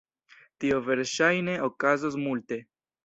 Tio verŝajne okazos multe.